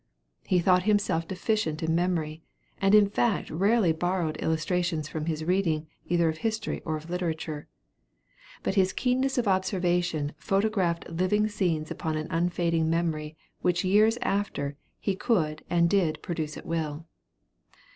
He thought himself deficient in memory, and in fact rarely borrowed illustrations from his reading either of history or of literature; but his keenness of observation photographed living scenes upon an unfading memory which years after he could and did produce at will.